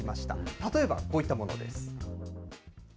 例えばこういったものです。